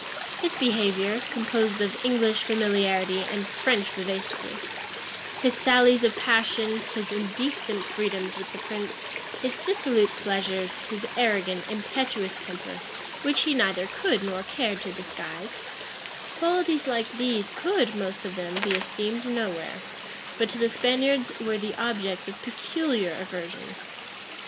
His behavior, composed of English familiarity and French vivacity; his sallies of passion, his indecent freedoms with the prince, his dissolute pleasures, his arrogant, impetuous temper, which he neither could nor cared to disguise; qualities like these could, most of them, be esteemed nowhere, but to the Spaniards were the objects of peculiar aversion.